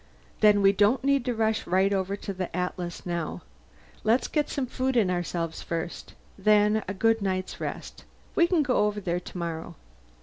"Then we don't need to rush right over to the Atlas now. Let's get some food in ourselves first. Then a good night's rest. We can go over there tomorrow."